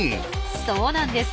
そうなんです。